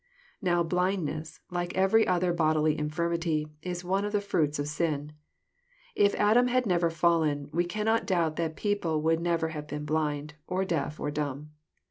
Now blindness, like every other bodily infirmity, is one of the fruits of sin. If Adam had never fallen, we cannot doubt that people would never have been blind, or deaf, or dumb.